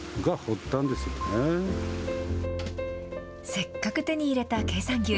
せっかく手に入れた経産牛。